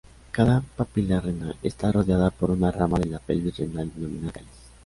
Cada papila renal está rodeada por una rama de la pelvis renal denominada cáliz.